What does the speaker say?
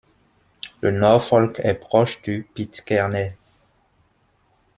Le norfolk est proche du pitcairnais.